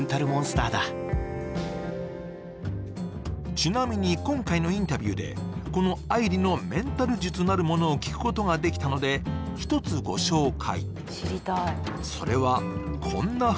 ちなみに今回のインタビューでこの愛梨のメンタル術なるものを聞くことができたので一つご紹介。